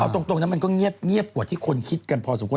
เอาตรงนั้นมันก็เงียบกว่าที่คนคิดกันพอสมควร